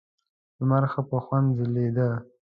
لمر ښه په خوند ځلېده.